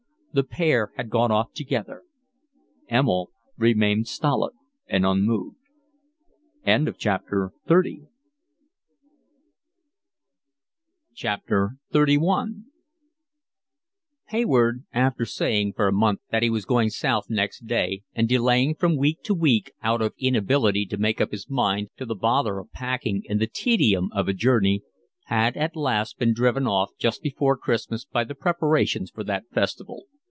The pair had gone off together. Emil remained stolid and unmoved. XXXI Hayward, after saying for a month that he was going South next day and delaying from week to week out of inability to make up his mind to the bother of packing and the tedium of a journey, had at last been driven off just before Christmas by the preparations for that festival.